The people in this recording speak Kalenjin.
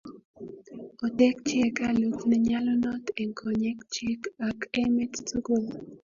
Otekchi hekalut nenyalunot eng konyek chik ak emet tukul